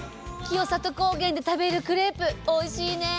清里高原で食べるクレープおいしいね！